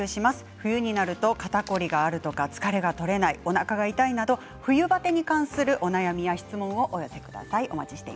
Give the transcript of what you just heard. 冬になると肩凝りがあるとか疲れが取れない、おなかが痛いなど冬バテに関するお悩みや質問をお寄せください。